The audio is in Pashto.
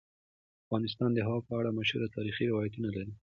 افغانستان د هوا په اړه مشهور تاریخی روایتونه لري.